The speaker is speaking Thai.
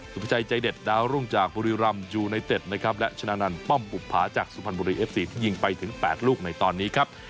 ประจัยใจเด็ดดาวรุ่งจากบุรีรำยูไนเต็ดนะครับและชนะนันป้อมบุภาจากสุพรรณบุรีเอฟซีที่ยิงไปถึง๘ลูกในตอนนี้ครับ